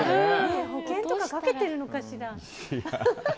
保険とかかけてるのかしら。